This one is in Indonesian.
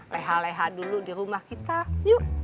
leha leha dulu di rumah kita yuk